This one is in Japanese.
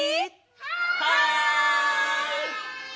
はい！